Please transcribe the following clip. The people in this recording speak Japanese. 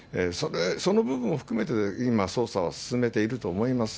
その部分を含めて今、捜査を進めていると思います。